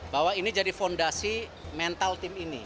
bahwa ini jadi fondasi mental tim ini